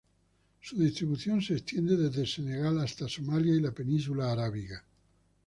Su distribución se extiende desde Senegal hasta Somalia y la península arábiga.